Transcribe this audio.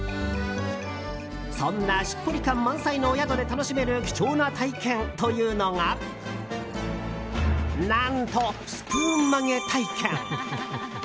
そんな、しっぽり感満載のお宿で楽しめる貴重な体験というのが何と、スプーン曲げ体験。